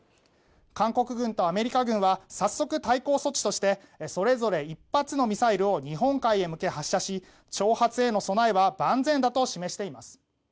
韓国軍とアメリカ軍は早速、対抗措置としてそれぞれ１発のミサイルを日本海へ向け発射し挑発への備えは万全だと示しています。